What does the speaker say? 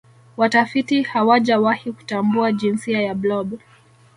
watafiti hawajawahi kutambua jinsia ya blob